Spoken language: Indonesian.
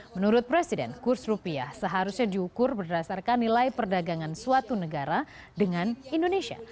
menurut presiden kurs rupiah seharusnya diukur berdasarkan nilai perdagangan suatu negara dengan indonesia